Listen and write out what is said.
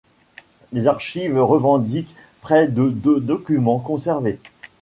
Les archives revendiquent près de de documents conservés.